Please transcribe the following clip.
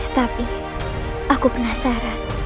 tapi aku penasaran